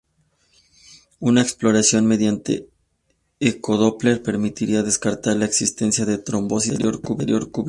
Una exploración mediante eco-Doppler permitiría descartar la existencia de trombosis de la arteria cubital.